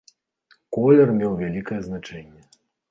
Колер меў вялікае значэнне.